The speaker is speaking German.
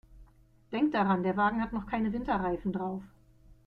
Denk daran, der Wagen hat noch keine Winterreifen drauf.